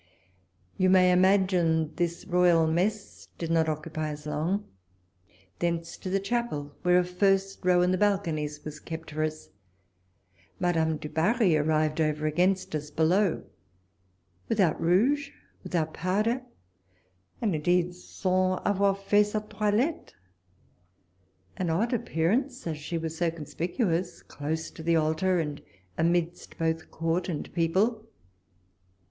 You may imagine this royal mess did not occupy us long : thence to the Chapel, where a first row in the balconies was kept for us. Madame du Barri arrived over against us below, without rouge, without powder, and indeed sans avoir fait sa toihtte ; an odd appearance, as she was so conspicuous, close to the altar, and amidst both Court and people.